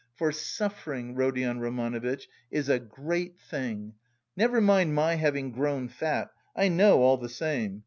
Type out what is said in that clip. For suffering, Rodion Romanovitch, is a great thing. Never mind my having grown fat, I know all the same.